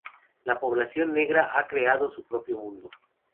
La población negra ha creado su propio mundo.